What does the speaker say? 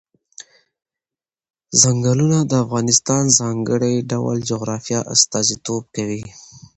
چنګلونه د افغانستان د ځانګړي ډول جغرافیه استازیتوب کوي.